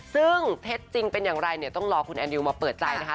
ซึ่งเท็จจริงเป็นอย่างไรเนี่ยต้องรอคุณแอนดิวมาเปิดใจนะคะ